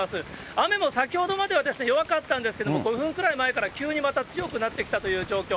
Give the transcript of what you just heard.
雨も先ほどまでは弱かったんですけれども、５分くらい前から急にまた強くなってきたという状況。